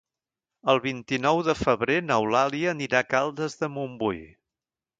El vint-i-nou de febrer n'Eulàlia anirà a Caldes de Montbui.